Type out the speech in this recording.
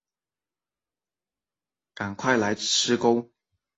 赶快来吃钩